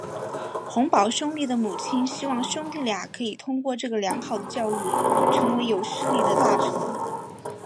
洪堡兄弟的母亲希望兄弟俩可以通过这个良好的教育成为有势力的大臣。